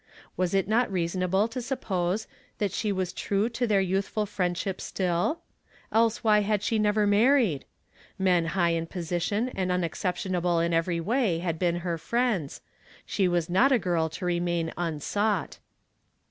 Was it not reasonable to suppose that she was true to their youthful friendship still? P^Lse wliy had she never married? Men high in position and unexceptionable in every way had been her friends; she was not a girl to remain unsought.